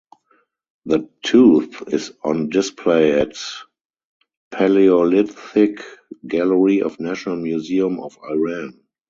The tooth is on display at Paleolithic gallery of National Museum of Iran